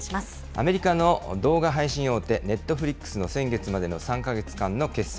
アメリカの動画配信大手、ネットフリックスの先月までの３か月間の決算。